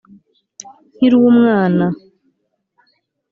nkiri umwana,